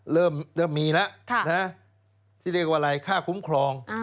เริ่มมีแล้วที่เรียกว่าอะไรค่าคุ้มครอง